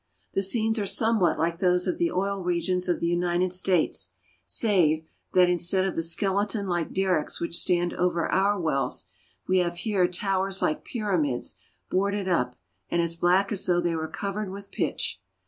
The scenes are somewhat like those of the oil regions of the United States, save that, instead of the skeleton like derricks which stand over our wells, we have here towers like pyramids boarded up, and as black as though they were covered with pitch.